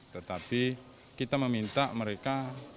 tetapi kita meminta mereka